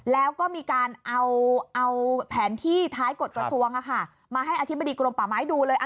แล้วก็มีการเอาแผนที่ท้ายกฎกระทรวงมาให้อธิบดีกรมป่าไม้ดูเลย